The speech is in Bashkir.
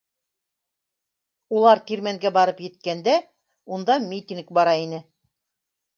Улар тирмәнгә барып еткәндә, унда митинг бара ине.